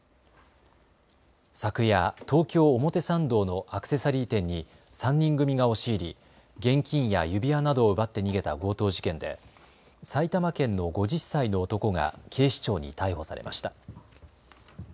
昨夜、東京表参道のアクセサリー店に３人組が押し入り、現金や指輪などを奪って逃げた強盗事件で埼玉県の５０歳の男が警視庁に逮捕されました。